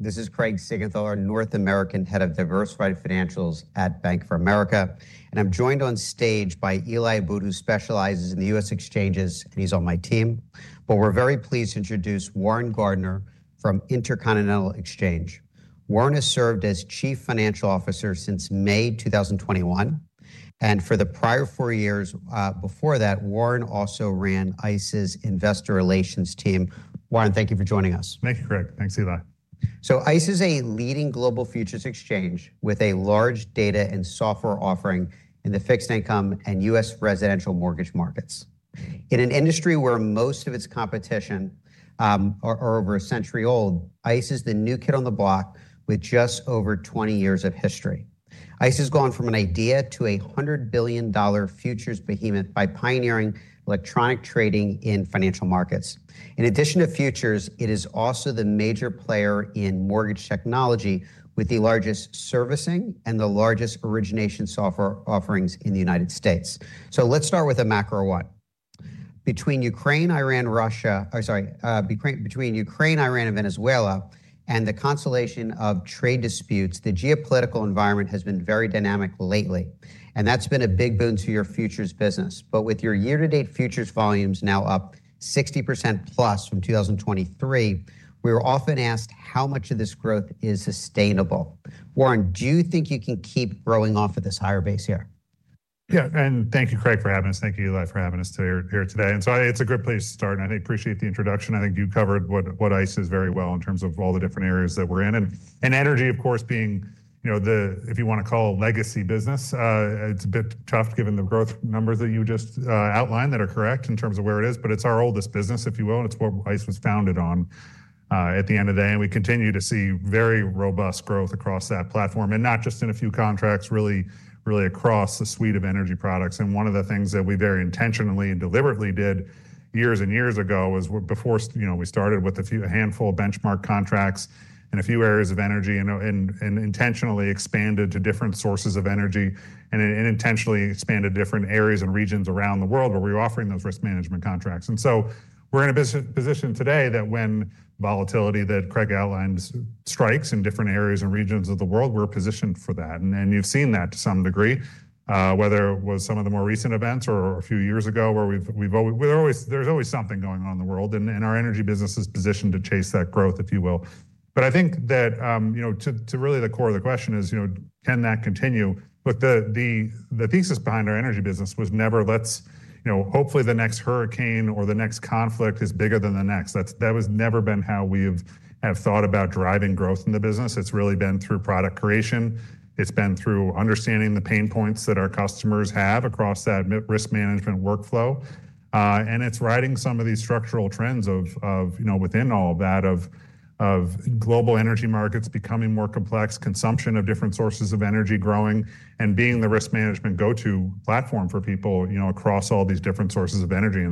This is Craig Siegenthaler, our North American Head of Diversified Financials at Bank of America, and I'm joined on stage by Eli Abboud, who specializes in the U.S. exchanges, and he's on my team. But we're very pleased to introduce Warren Gardiner from Intercontinental Exchange. Warren has served as Chief Financial Officer since May 2021, and for the prior four years before that, Warren also ran ICE's investor relations team. Warren, thank you for joining us. Thank you, Craig. Thanks, Eli. So ICE is a leading global futures exchange with a large data and software offering in the fixed income and U.S. residential mortgage markets. In an industry where most of its competition are over a century old, ICE is the new kid on the block with just over 20 years of history. ICE has gone from an idea to a $100 billion futures behemoth by pioneering electronic trading in financial markets. In addition to futures, it is also the major player in mortgage technology with the largest servicing and the largest origination software offerings in the United States. So let's start with a macro one. Between Ukraine, Iran, Russia, I'm sorry, between Ukraine, Iran, and Venezuela, and the constellation of trade disputes, the geopolitical environment has been very dynamic lately, and that's been a big boon to your futures business. With your year-to-date futures volumes now up 60%+ from 2023, we were often asked how much of this growth is sustainable. Warren, do you think you can keep growing off of this higher base here? Yeah, and thank you, Craig, for having us. Thank you, Eli, for having us here today. And so it's a great place to start, and I appreciate the introduction. I think you covered what ICE is very well in terms of all the different areas that we're in, and energy, of course, being the—if you want to call it legacy business—it's a bit tough given the growth numbers that you just outlined that are correct in terms of where it is. But it's our oldest business, if you will, and it's what ICE was founded on at the end of the day, and we continue to see very robust growth across that platform, and not just in a few contracts, really across the suite of energy products. And one of the things that we very intentionally and deliberately did years and years ago was before we started with a handful of benchmark contracts in a few areas of energy and intentionally expanded to different sources of energy and intentionally expanded to different areas and regions around the world where we were offering those risk management contracts. And so we're in a position today that when volatility that Craig outlined strikes in different areas and regions of the world, we're positioned for that, and you've seen that to some degree, whether it was some of the more recent events or a few years ago where we've always, there's always something going on in the world, and our energy business is positioned to chase that growth, if you will. But I think that to really the core of the question is, can that continue? Look, the thesis behind our energy business was never, "Let's hopefully the next hurricane or the next conflict is bigger than the next." That has never been how we have thought about driving growth in the business. It's really been through product creation. It's been through understanding the pain points that our customers have across that risk management workflow, and it's riding some of these structural trends within all of that of global energy markets becoming more complex, consumption of different sources of energy growing, and being the risk management go-to platform for people across all these different sources of energy.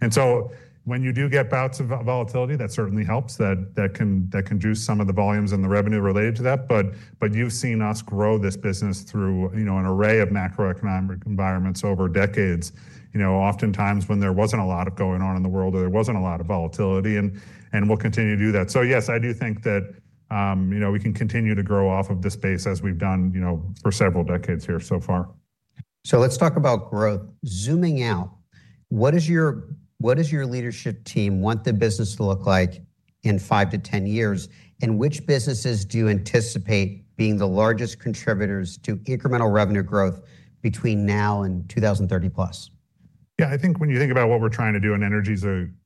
And so when you do get bouts of volatility, that certainly helps. That can reduce some of the volumes and the revenue related to that, but you've seen us grow this business through an array of macroeconomic environments over decades, oftentimes when there wasn't a lot of going on in the world or there wasn't a lot of volatility, and we'll continue to do that. So yes, I do think that we can continue to grow off of this base as we've done for several decades here so far. So let's talk about growth. Zooming out, what does your leadership team want the business to look like in 5 years-10 years, and which businesses do you anticipate being the largest contributors to incremental revenue growth between now and 2030+? Yeah, I think when you think about what we're trying to do, and energy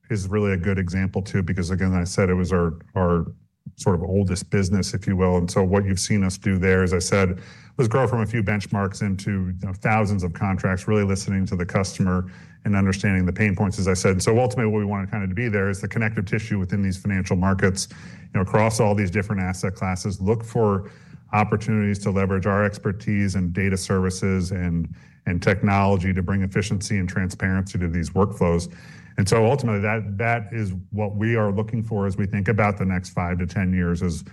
is really a good example too because, again, as I said, it was our sort of oldest business, if you will. And so what you've seen us do there, as I said, was grow from a few benchmarks into thousands of contracts, really listening to the customer and understanding the pain points, as I said. And so ultimately, what we wanted kind of to be there is the connective tissue within these financial markets across all these different asset classes, look for opportunities to leverage our expertise and data services and technology to bring efficiency and transparency to these workflows. And so ultimately, that is what we are looking for as we think about the next 5 years-10 years is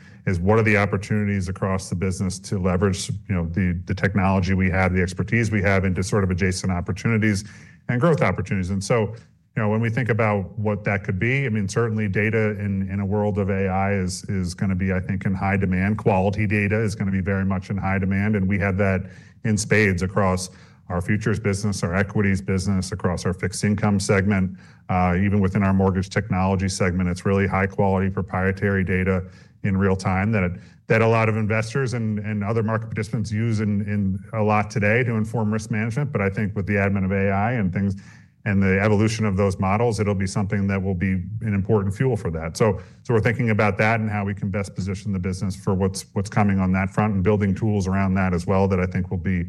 what are the opportunities across the business to leverage the technology we have, the expertise we have, into sort of adjacent opportunities and growth opportunities. And so when we think about what that could be, I mean, certainly data in a world of AI is going to be, I think, in high demand. Quality data is going to be very much in high demand, and we have that in spades across our futures business, our equities business, across our fixed income segment, even within our mortgage technology segment. It's really high-quality proprietary data in real time that a lot of investors and other market participants use a lot today to inform risk management. But I think with the advent of AI and the evolution of those models, it'll be something that will be an important fuel for that. So we're thinking about that and how we can best position the business for what's coming on that front and building tools around that as well that I think will be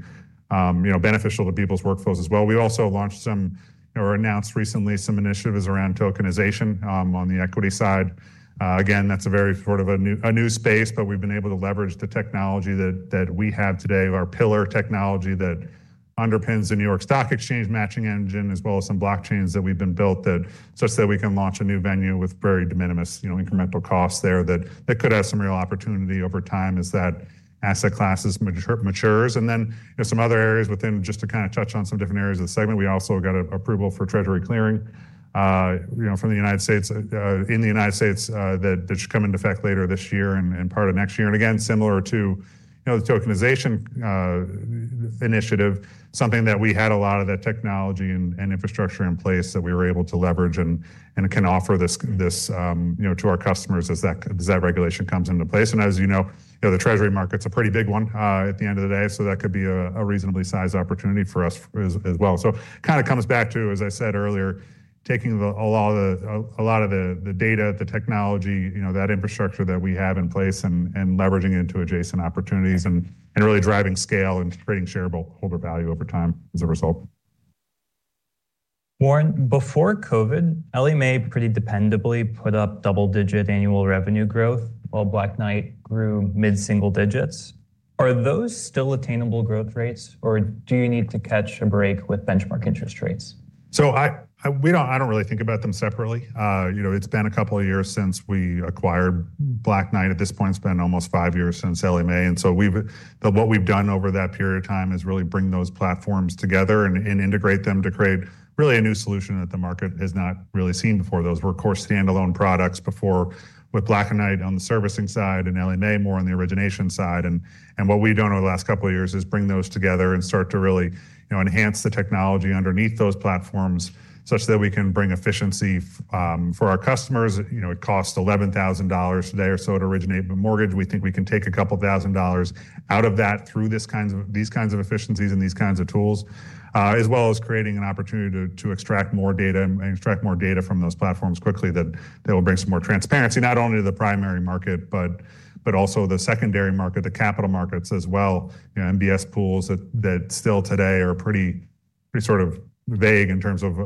beneficial to people's workflows as well. We also launched some or announced recently some initiatives around tokenization on the equity side. Again, that's a very sort of a new space, but we've been able to leverage the technology that we have today, our Pillar technology that underpins the New York Stock Exchange matching engine, as well as some blockchains that we've been built such that we can launch a new venue with very de minimis incremental costs there that could have some real opportunity over time as that asset class matures. And then some other areas within just to kind of touch on some different areas of the segment, we also got approval for Treasury Clearing from the United States in the United States that should come into effect later this year and part of next year. And again, similar to the tokenization initiative, something that we had a lot of that technology and infrastructure in place that we were able to leverage and can offer this to our customers as that regulation comes into place. And as you know, the Treasury market's a pretty big one at the end of the day, so that could be a reasonably sized opportunity for us as well. So it kind of comes back to, as I said earlier, taking a lot of the data, the technology, that infrastructure that we have in place and leveraging it into adjacent opportunities and really driving scale and creating shareholder value over time as a result. Warren, before COVID, Ellie Mae pretty dependably put up double-digit annual revenue growth while Black Knight grew mid-single digits. Are those still attainable growth rates, or do you need to catch a break with benchmark interest rates? So I don't really think about them separately. It's been a couple of years since we acquired Black Knight. At this point, it's been almost five years since Ellie Mae. And so what we've done over that period of time is really bring those platforms together and integrate them to create really a new solution that the market has not really seen before. Those were, of course, standalone products before with Black Knight on the servicing side and Ellie Mae more on the origination side. And what we've done over the last couple of years is bring those together and start to really enhance the technology underneath those platforms such that we can bring efficiency for our customers. It costs $11,000 today or so to originate a mortgage. We think we can take $2,000 out of that through these kinds of efficiencies and these kinds of tools, as well as creating an opportunity to extract more data and extract more data from those platforms quickly that will bring some more transparency, not only to the primary market but also the secondary market, the capital markets as well. MBS pools that still today are pretty sort of vague in terms of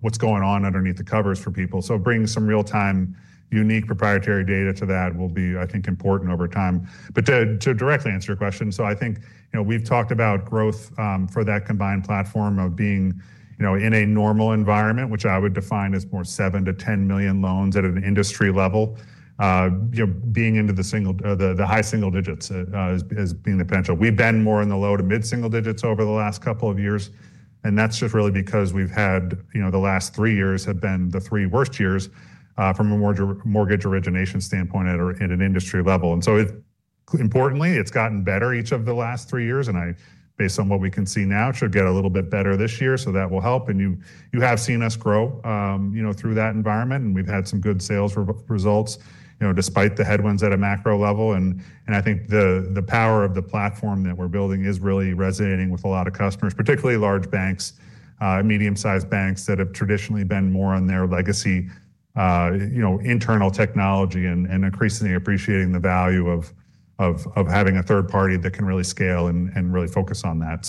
what's going on underneath the covers for people. So bringing some real-time unique proprietary data to that will be, I think, important over time. But to directly answer your question, so I think we've talked about growth for that combined platform of being in a normal environment, which I would define as more 7 million-10 million loans at an industry level, being into the high single digits as being the potential. We've been more in the low- to mid-single digits over the last couple of years, and that's just really because we've had the last three years have been the three worst years from a mortgage origination standpoint at an industry level. And so importantly, it's gotten better each of the last three years, and based on what we can see now, it should get a little bit better this year, so that will help. And you have seen us grow through that environment, and we've had some good sales results despite the headwinds at a macro level. And I think the power of the platform that we're building is really resonating with a lot of customers, particularly large banks, medium-sized banks that have traditionally been more on their legacy internal technology and increasingly appreciating the value of having a third party that can really scale and really focus on that.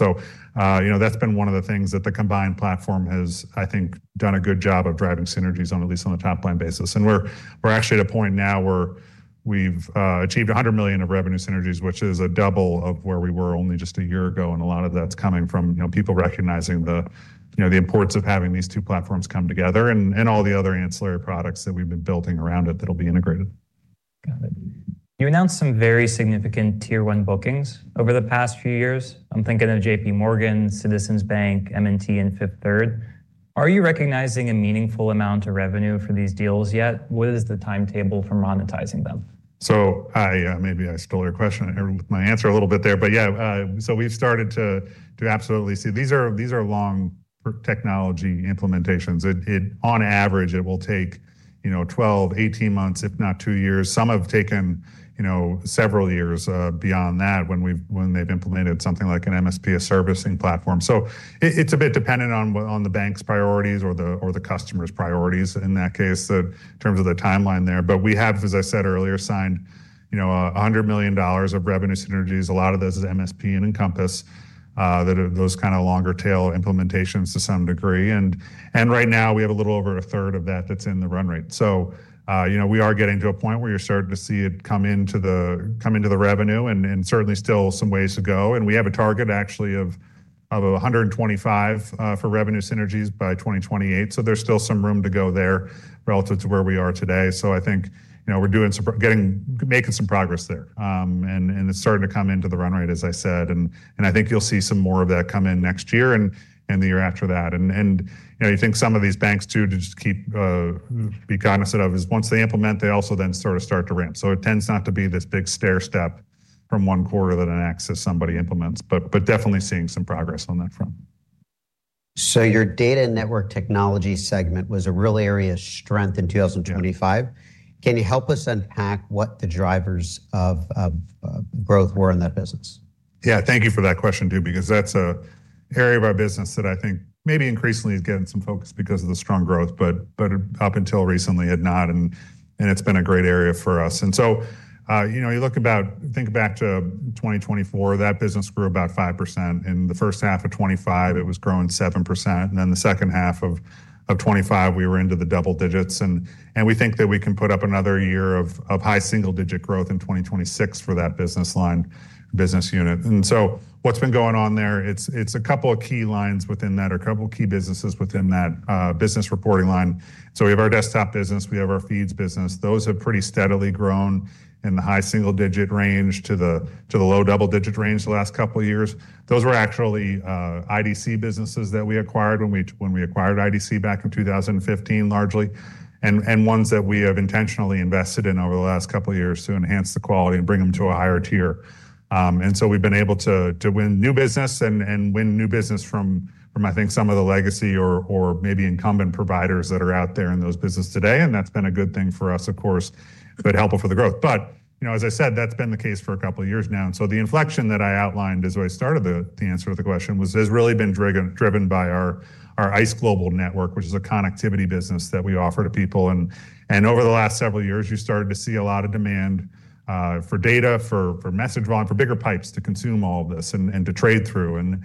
So that's been one of the things that the combined platform has, I think, done a good job of driving synergies on at least on the top-line basis. And we're actually at a point now where we've achieved $100 million of revenue synergies, which is a double of where we were only just a year ago, and a lot of that's coming from people recognizing the importance of having these two platforms come together and all the other ancillary products that we've been building around it that'll be integrated. Got it. You announced some very significant tier-one bookings over the past few years. I'm thinking of J.P. Morgan, Citizens Bank, M&T, and Fifth Third. Are you recognizing a meaningful amount of revenue for these deals yet? What is the timetable for monetizing them? So maybe I stole your question with my answer a little bit there, but yeah. So we've started to absolutely see these are long technology implementations. On average, it will take 12 months, 18 months, if not two years. Some have taken several years beyond that when they've implemented something like an MSP servicing platform. So it's a bit dependent on the bank's priorities or the customer's priorities in that case in terms of the timeline there. But we have, as I said earlier, signed $100 million of revenue synergies. A lot of those is MSP and Encompass, those kind of longer-tail implementations to some degree. And right now, we have a little over 1/3 of that that's in the run rate. So we are getting to a point where you're starting to see it come into the revenue and certainly still some ways to go. We have a target actually of 125 for revenue synergies by 2028, so there's still some room to go there relative to where we are today. I think we're making some progress there, and it's starting to come into the run rate, as I said. I think you'll see some more of that come in next year and the year after that. I think some of these banks too to just keep be cognizant of is once they implement, they also then sort of start to ramp. It tends not to be this big stair step from one quarter that an access somebody implements, but definitely seeing some progress on that front. So your data and network technology segment was a real area of strength in 2025. Can you help us unpack what the drivers of growth were in that business? Yeah, thank you for that question too because that's an area of our business that I think maybe increasingly is getting some focus because of the strong growth, but up until recently had not, and it's been a great area for us. And so you look about think back to 2024, that business grew about 5%. In the first half of 2025, it was growing 7%, and then the second half of 2025, we were into the double digits. And we think that we can put up another year of high single-digit growth in 2026 for that business line business unit. And so what's been going on there, it's a couple of key lines within that or a couple of key businesses within that business reporting line. So we have our desktops business. We have our feeds business. Those have pretty steadily grown in the high single-digit range to the low double-digit range the last couple of years. Those were actually IDC businesses that we acquired when we acquired IDC back in 2015 largely, and ones that we have intentionally invested in over the last couple of years to enhance the quality and bring them to a higher tier. And so we've been able to win new business and win new business from, I think, some of the legacy or maybe incumbent providers that are out there in those businesses today, and that's been a good thing for us, of course, but helpful for the growth. But as I said, that's been the case for a couple of years now. The inflection that I outlined as I started the answer to the question has really been driven by our ICE Global Network, which is a connectivity business that we offer to people. Over the last several years, you started to see a lot of demand for data, for message volume, for bigger pipes to consume all of this and to trade through. And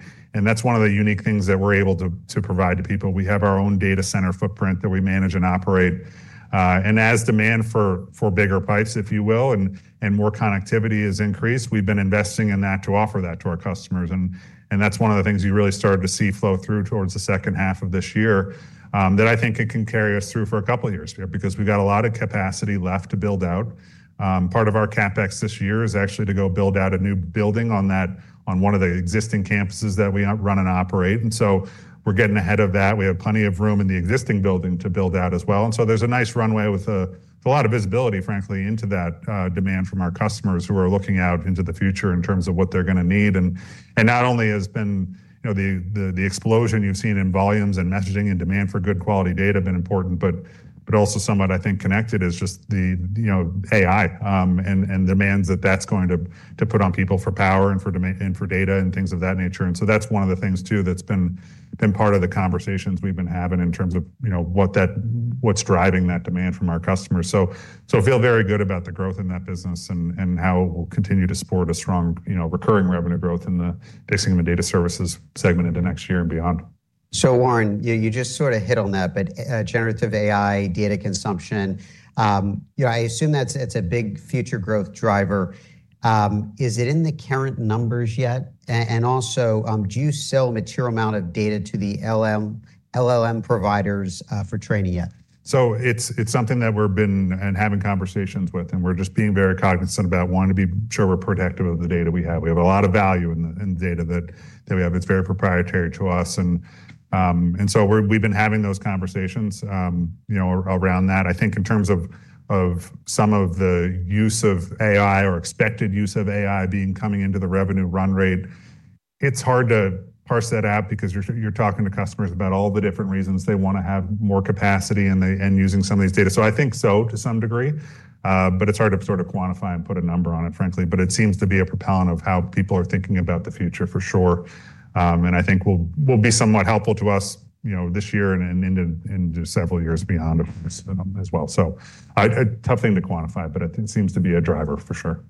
that's one of the unique things that we're able to provide to people. We have our own data center footprint that we manage and operate. As demand for bigger pipes, if you will, and more connectivity has increased, we've been investing in that to offer that to our customers. And that's one of the things you really started to see flow through towards the second half of this year that I think it can carry us through for a couple of years here because we've got a lot of capacity left to build out. Part of our CapEx this year is actually to go build out a new building on one of the existing campuses that we run and operate. And so we're getting ahead of that. We have plenty of room in the existing building to build out as well. And so there's a nice runway with a lot of visibility, frankly, into that demand from our customers who are looking out into the future in terms of what they're going to need. And not only has been the explosion you've seen in volumes and messaging and demand for good quality data been important, but also somewhat, I think, connected is just the AI and demands that that's going to put on people for power and for data and things of that nature. And so that's one of the things too that's been part of the conversations we've been having in terms of what's driving that demand from our customers. So I feel very good about the growth in that business and how it will continue to support a strong recurring revenue growth in the Fixed Income and the data services segment into next year and beyond. So, Warren, you just sort of hit on that, but generative AI, data consumption, I assume that's a big future growth driver. Is it in the current numbers yet? And also, do you sell a material amount of data to the LLM providers for training yet? So it's something that we've been and having conversations with, and we're just being very cognizant about wanting to be sure we're protective of the data we have. We have a lot of value in the data that we have. It's very proprietary to us. And so we've been having those conversations around that. I think in terms of some of the use of AI or expected use of AI being coming into the revenue run rate, it's hard to parse that out because you're talking to customers about all the different reasons they want to have more capacity and using some of these data. So I think so to some degree, but it's hard to sort of quantify and put a number on it, frankly. But it seems to be a propellant of how people are thinking about the future for sure, and I think will be somewhat helpful to us this year and into several years beyond, of course, as well. So a tough thing to quantify, but it seems to be a driver for sure.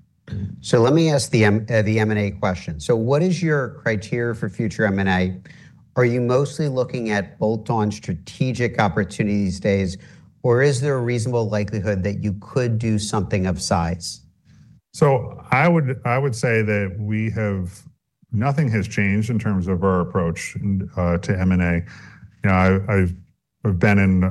Let me ask the M&A question. What is your criteria for future M&A? Are you mostly looking at bolt-on strategic opportunities these days, or is there a reasonable likelihood that you could do something of size? So I would say that nothing has changed in terms of our approach to M&A. I've been on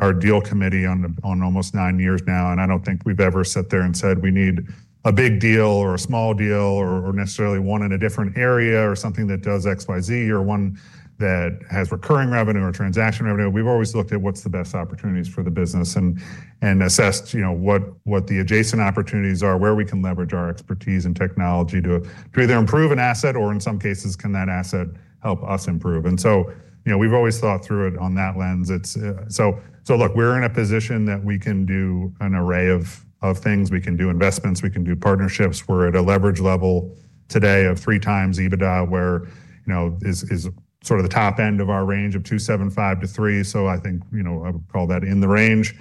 our deal committee for almost nine years now, and I don't think we've ever sat there and said, "We need a big deal or a small deal or necessarily one in a different area or something that does X, Y, Z, or one that has recurring revenue or transaction revenue." We've always looked at what's the best opportunities for the business and assessed what the adjacent opportunities are, where we can leverage our expertise and technology to either improve an asset or, in some cases, can that asset help us improve. And so we've always thought through it on that lens. So look, we're in a position that we can do an array of things. We can do investments. We can do partnerships. We're at a leverage level today of 3x EBITDA where it's sort of the top end of our range of 2.75x-3x. So I think I would call that in the range.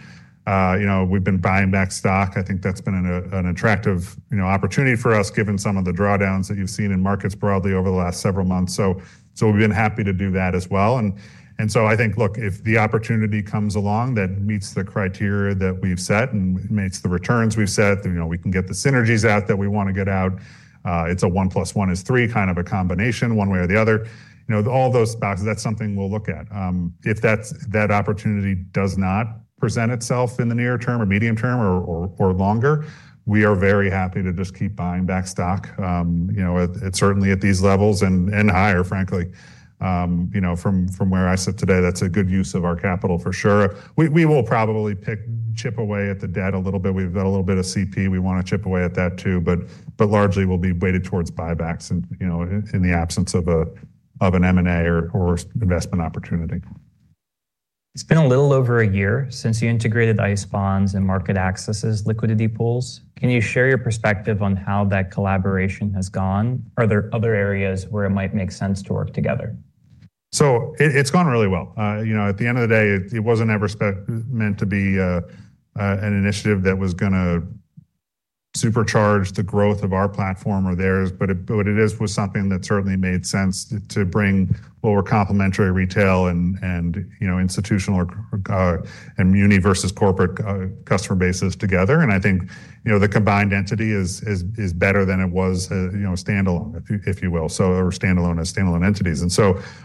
We've been buying back stock. I think that's been an attractive opportunity for us given some of the drawdowns that you've seen in markets broadly over the last several months. So we've been happy to do that as well. And so I think, look, if the opportunity comes along that meets the criteria that we've set and meets the returns we've set, we can get the synergies out that we want to get out. It's a 1 + 1 = 3 kind of a combination one way or the other. All those boxes, that's something we'll look at. If that opportunity does not present itself in the near term or medium term or longer, we are very happy to just keep buying back stock, certainly at these levels and higher, frankly. From where I sit today, that's a good use of our capital for sure. We will probably chip away at the debt a little bit. We've got a little bit of CP. We want to chip away at that too, but largely we'll be weighted towards buybacks in the absence of an M&A or investment opportunity. It's been a little over a year since you integrated ICE Bonds and MarketAxess, liquidity pools. Can you share your perspective on how that collaboration has gone? Are there other areas where it might make sense to work together? It's gone really well. At the end of the day, it wasn't ever meant to be an initiative that was going to supercharge the growth of our platform or theirs, but it was something that certainly made sense to bring what were complementary retail and institutional and universal corporate customer bases together. I think the combined entity is better than it was standalone, if you will, so standalone as standalone entities.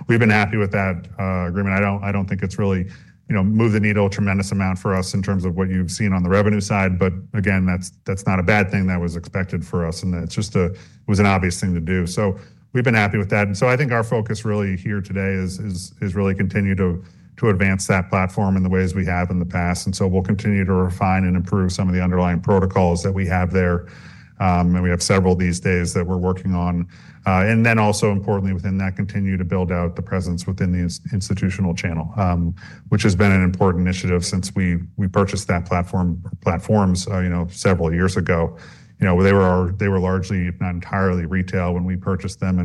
We've been happy with that agreement. I don't think it's really moved the needle a tremendous amount for us in terms of what you've seen on the revenue side, but again, that's not a bad thing. That was expected for us, and it was an obvious thing to do. We've been happy with that. I think our focus really here today is really continue to advance that platform in the ways we have in the past. We'll continue to refine and improve some of the underlying protocols that we have there, and we have several these days that we're working on. Importantly within that, continue to build out the presence within the institutional channel, which has been an important initiative since we purchased that platform or platforms several years ago. They were largely, if not entirely, retail when we purchased them,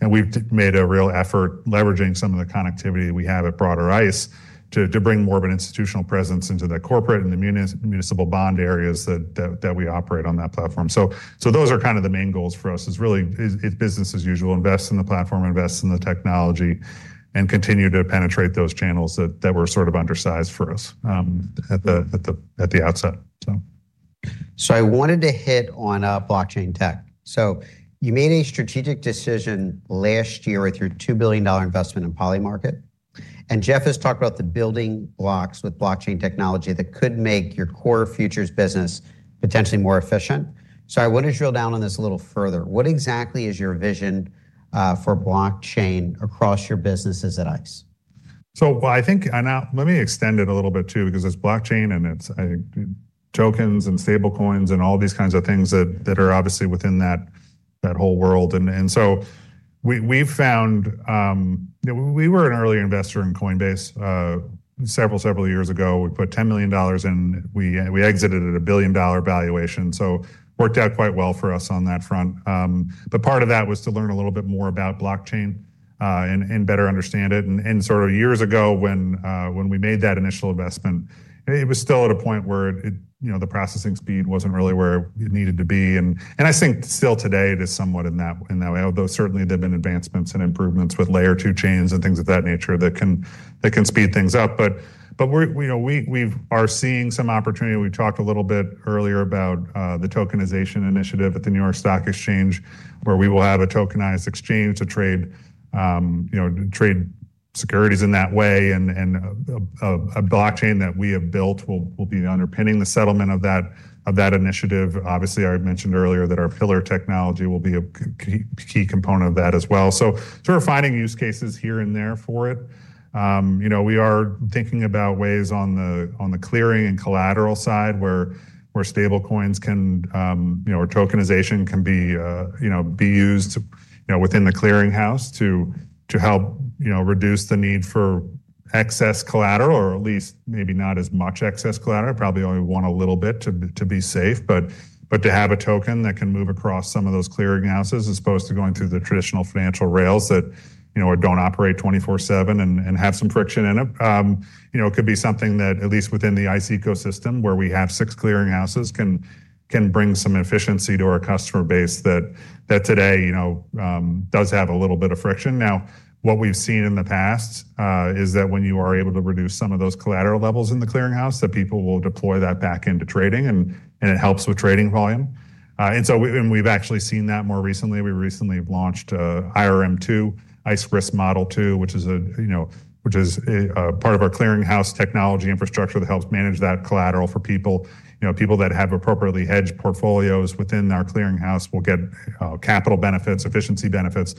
and we've made a real effort leveraging some of the connectivity that we have at broader ICE to bring more of an institutional presence into the corporate and the municipal bond areas that we operate on that platform. Those are kind of the main goals for us is really business as usual, invest in the platform, invest in the technology, and continue to penetrate those channels that were sort of undersized for us at the outset, so. So I wanted to hit on blockchain tech. So you made a strategic decision last year with your $2 billion investment in Polymarket, and Jeff has talked about the building blocks with blockchain technology that could make your core futures business potentially more efficient. So I want to drill down on this a little further. What exactly is your vision for blockchain across your businesses at ICE? So I think now let me extend it a little bit too because it's blockchain and it's, I think, tokens and stablecoins and all these kinds of things that are obviously within that whole world. And so we've found we were an early investor in Coinbase several, several years ago. We put $10 million in. We exited at a $1 billion valuation, so worked out quite well for us on that front. But part of that was to learn a little bit more about blockchain and better understand it. And sort of years ago when we made that initial investment, it was still at a point where the processing speed wasn't really where it needed to be. And I think still today it is somewhat in that way, although certainly there have been advancements and improvements with layer two chains and things of that nature that can speed things up. We are seeing some opportunity. We've talked a little bit earlier about the tokenization initiative at the New York Stock Exchange where we will have a tokenized exchange to trade securities in that way. A blockchain that we have built will be underpinning the settlement of that initiative. Obviously, I mentioned earlier that our Pillar technology will be a key component of that as well. We're finding use cases here and there for it. We are thinking about ways on the clearing and collateral side where stablecoins can or tokenization can be used within the clearinghouse to help reduce the need for excess collateral or at least maybe not as much excess collateral. Probably only want a little bit to be safe, but to have a token that can move across some of those clearinghouses as opposed to going through the traditional financial rails that don't operate 24/7 and have some friction in it. It could be something that at least within the ICE ecosystem where we have six clearinghouses can bring some efficiency to our customer base that today does have a little bit of friction. Now, what we've seen in the past is that when you are able to reduce some of those collateral levels in the clearinghouse, that people will deploy that back into trading, and it helps with trading volume. We've actually seen that more recently. We recently have launched IRM2, ICE Risk Model 2, which is part of our clearinghouse technology infrastructure that helps manage that collateral for people. People that have appropriately hedged portfolios within our clearinghouse will get capital benefits, efficiency benefits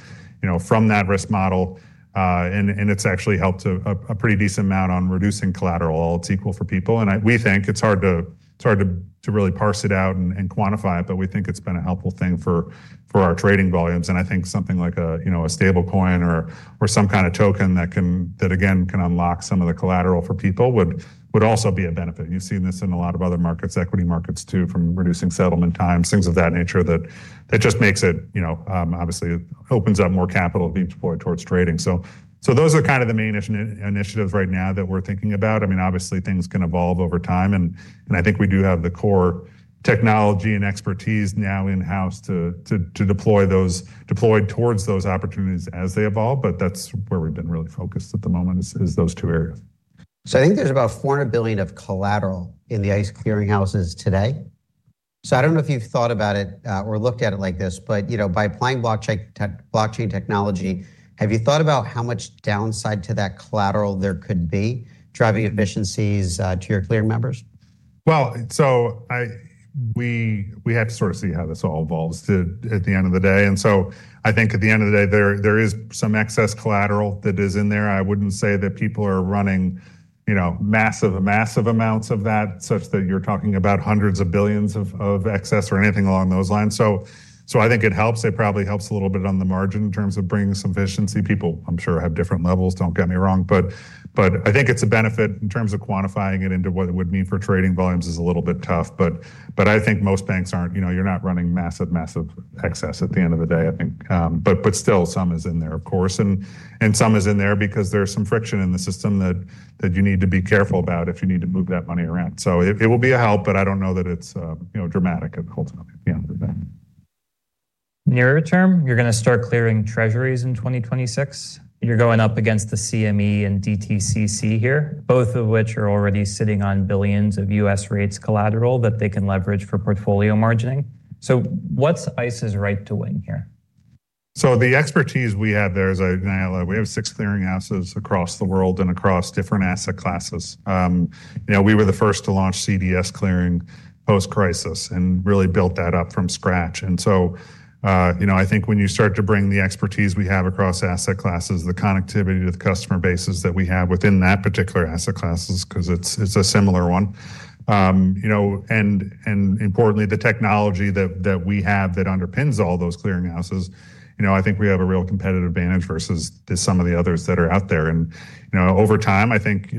from that risk model. It's actually helped a pretty decent amount on reducing collateral. It's equal for people. We think it's hard to really parse it out and quantify it, but we think it's been a helpful thing for our trading volumes. I think something like a stable coin or some kind of token that, again, can unlock some of the collateral for people would also be a benefit. You've seen this in a lot of other markets, equity markets too, from reducing settlement times, things of that nature that just makes it obviously opens up more capital to be deployed towards trading. So those are kind of the main initiatives right now that we're thinking about. I mean, obviously, things can evolve over time, and I think we do have the core technology and expertise now in-house to deploy towards those opportunities as they evolve. But that's where we've been really focused at the moment is those two areas. I think there's about $400 billion of collateral in the ICE clearinghouses today. I don't know if you've thought about it or looked at it like this, but by applying blockchain technology, have you thought about how much downside to that collateral there could be driving efficiencies to your clearing members? Well, so we have to sort of see how this all evolves at the end of the day. And so I think at the end of the day, there is some excess collateral that is in there. I wouldn't say that people are running massive, massive amounts of that such that you're talking about hundreds of billions of excess or anything along those lines. So I think it helps. It probably helps a little bit on the margin in terms of bringing some efficiency. People, I'm sure, have different levels, don't get me wrong. But I think it's a benefit. In terms of quantifying it into what it would mean for trading volumes is a little bit tough, but I think most banks aren't. You're not running massive, massive excess at the end of the day, I think. But still, some is in there, of course, and some is in there because there's some friction in the system that you need to be careful about if you need to move that money around. It will be a help, but I don't know that it's dramatic ultimately at the end of the day. Nearer term, you're going to start clearing Treasuries in 2026. You're going up against the CME and DTCC here, both of which are already sitting on billions of U.S. rates collateral that they can leverage for portfolio margining. So what's ICE's right to win here? So the expertise we have there is, now that we have six clearing houses across the world and across different asset classes. We were the first to launch CDS clearing post-crisis and really built that up from scratch. And so I think when you start to bring the expertise we have across asset classes, the connectivity to the customer bases that we have within that particular asset classes because it's a similar one, and importantly, the technology that we have that underpins all those clearinghouses, I think we have a real competitive advantage versus some of the others that are out there. And over time, I think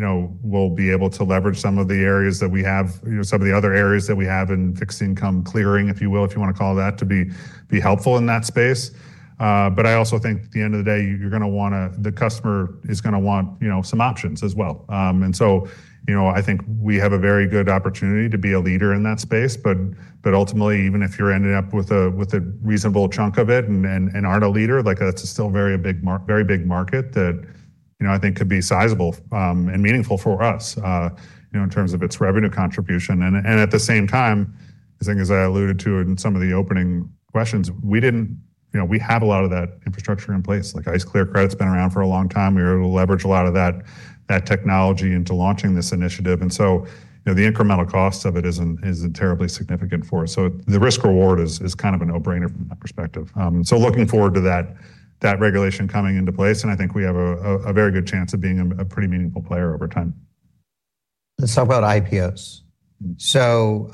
we'll be able to leverage some of the areas that we have, some of the other areas that we have in fixed income clearing, if you will, if you want to call it that, to be helpful in that space. But I also think at the end of the day, the customer is going to want some options as well. And so I think we have a very good opportunity to be a leader in that space, but ultimately, even if you're ending up with a reasonable chunk of it and aren't a leader, that's still very big market that I think could be sizable and meaningful for us in terms of its revenue contribution. And at the same time, I think as I alluded to in some of the opening questions, we do have a lot of that infrastructure in place. ICE Clear Credit's been around for a long time. We were able to leverage a lot of that technology into launching this initiative. And so the incremental cost of it isn't terribly significant for us. So the risk-reward is kind of a no-brainer from that perspective. So looking forward to that regulation coming into place, and I think we have a very good chance of being a pretty meaningful player over time. Let's talk about IPOs. So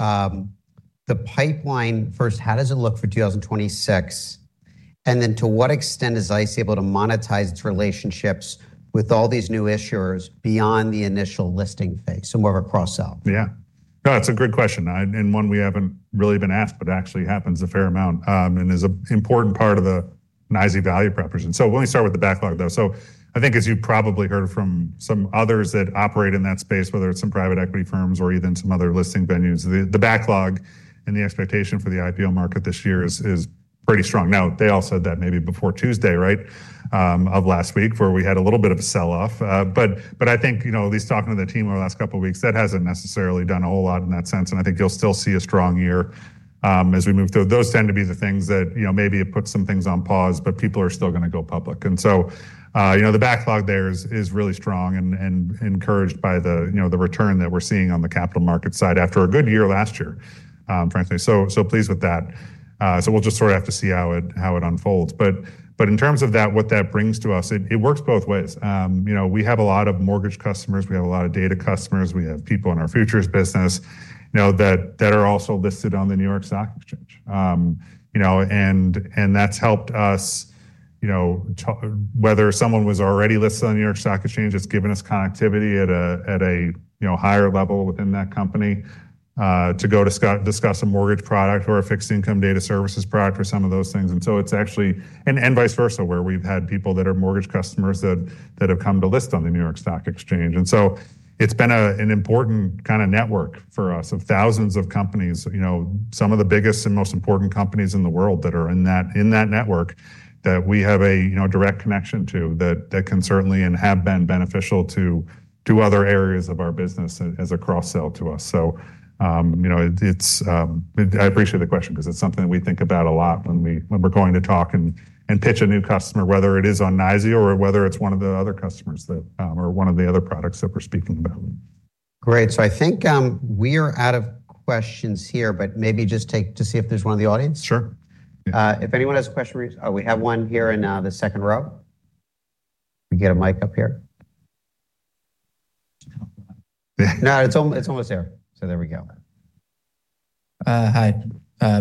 the pipeline first, how does it look for 2026? And then to what extent is ICE able to monetize its relationships with all these new issuers beyond the initial listing phase, so more of a cross-sell? Yeah. No, that's a good question and one we haven't really been asked, but actually happens a fair amount and is an important part of the ICE value proposition. So let me start with the backlog, though. So I think as you've probably heard from some others that operate in that space, whether it's some private equity firms or even some other listing venues, the backlog and the expectation for the IPO market this year is pretty strong. Now, they all said that maybe before Tuesday, right, of last week where we had a little bit of a sell-off. But I think at least talking to the team over the last couple of weeks, that hasn't necessarily done a whole lot in that sense, and I think you'll still see a strong year as we move through. Those tend to be the things that maybe it puts some things on pause, but people are still going to go public. And so the backlog there is really strong and encouraged by the return that we're seeing on the capital market side after a good year last year, frankly. So pleased with that. So we'll just sort of have to see how it unfolds. But in terms of that, what that brings to us, it works both ways. We have a lot of mortgage customers. We have a lot of data customers. We have people in our futures business that are also listed on the New York Stock Exchange. And that's helped us, whether someone was already listed on the New York Stock Exchange, it's given us connectivity at a higher level within that company to go discuss a mortgage product or a fixed income data services product or some of those things. And so it's actually and vice versa where we've had people that are mortgage customers that have come to list on the New York Stock Exchange. And so it's been an important kind of network for us of thousands of companies, some of the biggest and most important companies in the world that are in that network that we have a direct connection to that can certainly and have been beneficial to other areas of our business as a cross-sell to us. So I appreciate the question because it's something that we think about a lot when we're going to talk and pitch a new customer, whether it is on NYSE or whether it's one of the other customers that or one of the other products that we're speaking about. Great. So I think we are out of questions here, but maybe just take to see if there's one in the audience? Sure. If anyone has a question, we have one here in the second row. We get a mic up here. No, it's almost there. So there we go. Hi.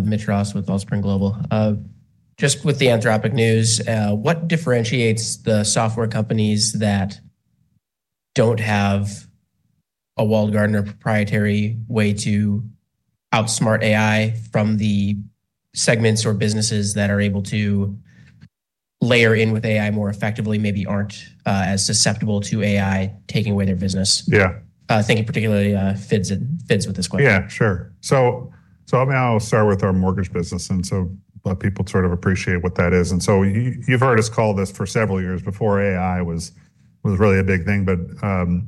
Mitch Ross with Allspring Global. Just with the Anthropic news, what differentiates the software companies that don't have a walled garden proprietary way to outsmart AI from the segments or businesses that are able to layer in with AI more effectively, maybe aren't as susceptible to AI taking away their business? Yeah. Thinking particularly FIDS with this question. Yeah, sure. So I'll start with our mortgage business and so let people sort of appreciate what that is. And so you've heard us call this for several years before AI was really a big thing, but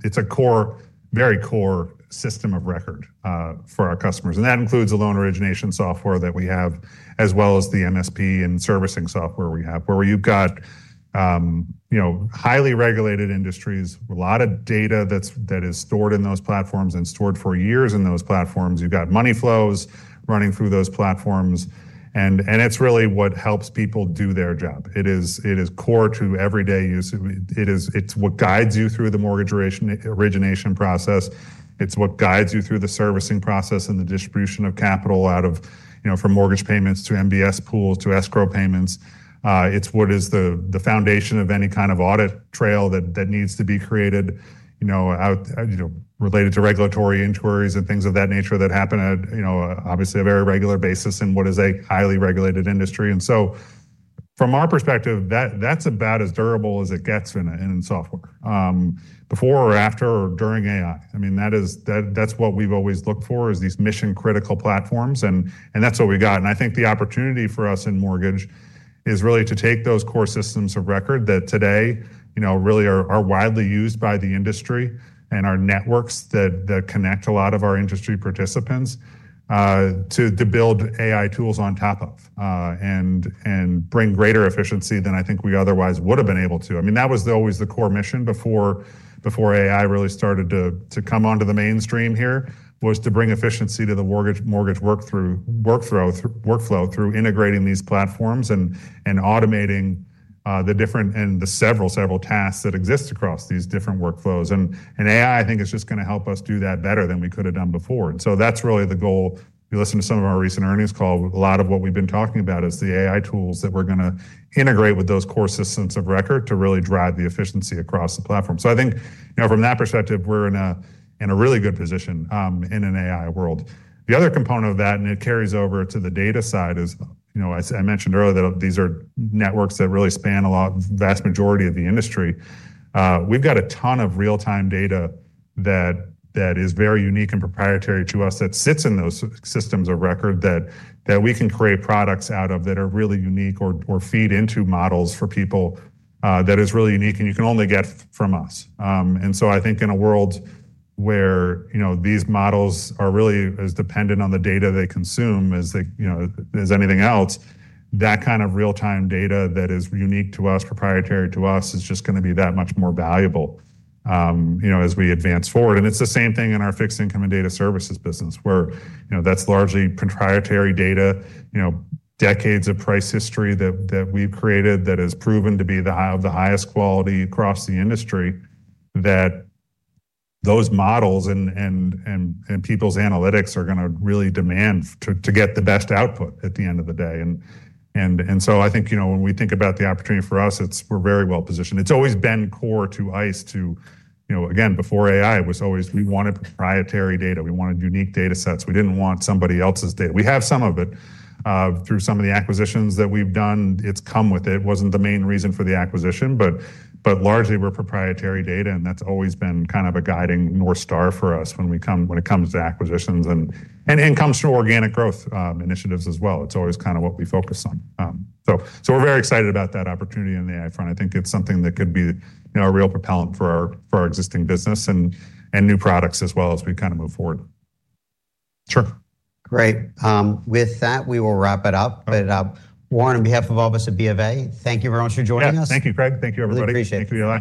it's a core, very core system of record for our customers. And that includes the loan origination software that we have as well as the MSP and servicing software we have where you've got highly regulated industries, a lot of data that is stored in those platforms and stored for years in those platforms. You've got money flows running through those platforms, and it's really what helps people do their job. It is core to everyday use. It's what guides you through the mortgage origination process. It's what guides you through the servicing process and the distribution of capital out of from mortgage payments to MBS pools to escrow payments. It's what is the foundation of any kind of audit trail that needs to be created related to regulatory inquiries and things of that nature that happen at obviously a very regular basis in what is a highly regulated industry. And so from our perspective, that's about as durable as it gets in software before or after or during AI. I mean, that's what we've always looked for is these mission-critical platforms, and that's what we got. And I think the opportunity for us in mortgage is really to take those core systems of record that today really are widely used by the industry and our networks that connect a lot of our industry participants to build AI tools on top of and bring greater efficiency than I think we otherwise would have been able to. I mean, that was always the core mission before AI really started to come onto the mainstream here was to bring efficiency to the mortgage workflow through integrating these platforms and automating the different and the several tasks that exist across these different workflows. And AI, I think, is just going to help us do that better than we could have done before. And so that's really the goal. You listen to some of our recent earnings call. A lot of what we've been talking about is the AI tools that we're going to integrate with those core systems of record to really drive the efficiency across the platform. So I think from that perspective, we're in a really good position in an AI world. The other component of that, and it carries over to the data side, is I mentioned earlier that these are networks that really span a vast majority of the industry. We've got a ton of real-time data that is very unique and proprietary to us that sits in those systems of record that we can create products out of that are really unique or feed into models for people that is really unique, and you can only get from us. And so I think in a world where these models are really as dependent on the data they consume as anything else, that kind of real-time data that is unique to us, proprietary to us, is just going to be that much more valuable as we advance forward. And it's the same thing in our fixed income and data services business where that's largely proprietary data, decades of price history that we've created that has proven to be of the highest quality across the industry that those models and people's analytics are going to really demand to get the best output at the end of the day. And so I think when we think about the opportunity for us, we're very well positioned. It's always been core to ICE to again, before AI, it was always we wanted proprietary data. We wanted unique data sets. We didn't want somebody else's data. We have some of it through some of the acquisitions that we've done. It's come with it. It wasn't the main reason for the acquisition, but largely, we're proprietary data, and that's always been kind of a guiding north star for us when it comes to acquisitions and comes from organic growth initiatives as well. It's always kind of what we focus on. So we're very excited about that opportunity in the AI front. I think it's something that could be a real propellant for our existing business and new products as well as we kind of move forward. Sure. Great. With that, we will wrap it up. But Warren, on behalf of all of us at Bank of America, thank you very much for joining us. Yeah. Thank you, Craig. Thank you, everybody. Really appreciate it. Thank you, Eli.